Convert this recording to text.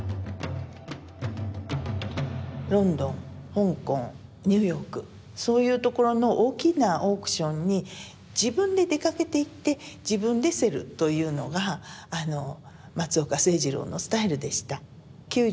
ロンドン香港ニューヨークそういう所の大きなオークションに自分で出かけていって自分で競るというのがあの松岡清次郎のスタイルでした。